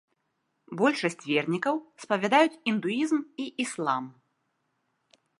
Большасць вернікаў спавядаюць індуізм і іслам.